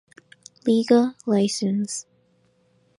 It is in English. Liga license.